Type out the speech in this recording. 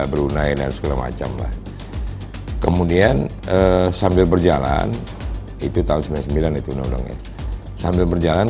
brunei dan segala macam lah kemudian sambil berjalan itu tahun sembilan puluh sembilan itu undang undangnya sambil berjalan